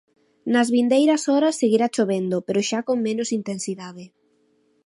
Nas vindeiras horas seguirá chovendo, pero xa con menos intensidade.